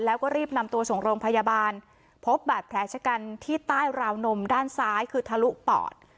แล้วก็รีบนำตัวส่งโรงพยาบาลพบบาดแผลชะกันที่ใต้ราวนมด้านซ้ายคือทะลุปอด